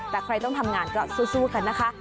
แต่ใครต้องทำงานก็สู้กันนะคะ